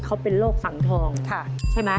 เขาเป็นโรคฝังทองใช่ไหม